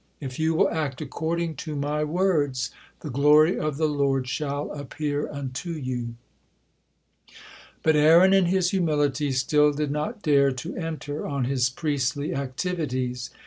If you will act according to my words, 'the glory of the Lord shall appear unto you.'" But Aaron in his humility still did not dare to enter on his priestly activities.